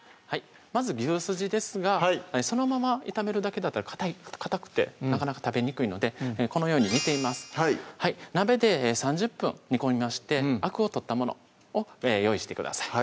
まず牛すじですがそのまま炒めるだけだったらかたくてなかなか食べにくいのでこのように煮ています鍋で３０分煮込みましてアクを取ったものを用意してください